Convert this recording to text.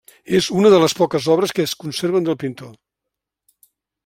És una de les poques obres que es conserven del pintor.